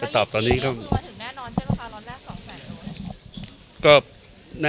ตอบตอนนี้ก็คือว่าถึงแน่นอนใช่ไหมครับร้อนแรกสองแสน